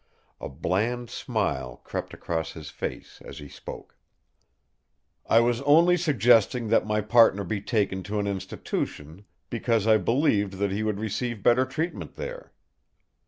A bland smile crept across his face as he spoke. "I was only suggesting that my partner be taken to an institution, because I believed that he would receive better treatment there."